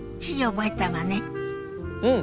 うん。